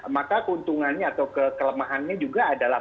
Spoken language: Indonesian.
maka keuntungannya atau kekelemahannya juga adalah